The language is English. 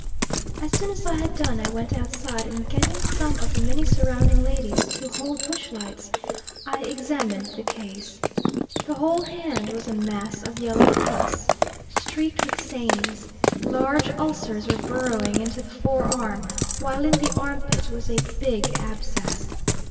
As soon as I had done I went outside, and getting some of the many surrounding ladies to hold bush lights, I examined the case. The whole hand was a mass of yellow pus, streaked with sanies, large ulcers were burrowing into the fore arm, while in the arm pit was a big abscess.